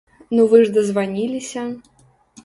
Ну вы ж дазваніліся?